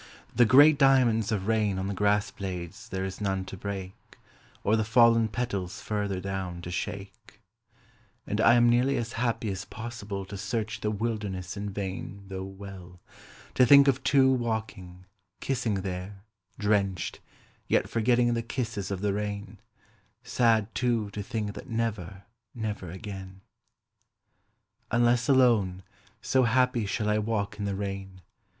The great diamonds Of rain on the grassblades there is none to break, Or the fallen petals further down to shake. And I am nearly as happy as possible To search the wilderness in vain though well, To think of two walking, kissing there, Drenched, yet forgetting the kisses of the rain: Sad, too, to think that never, never again, Unless alone, so happy shall I walk In the rain.